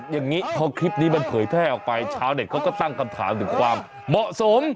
อย่างนี้พอคลิปนี้มันเผยแพร่ออกไปชาวเน็ตเขาก็ตั้งคำถามถึงความเหมาะสม